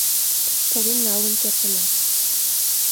Поген налын кертына.